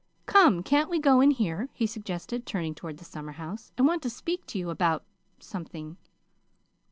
Come, can't we go in here?" he suggested, turning toward the summerhouse. "I want to speak to you about something."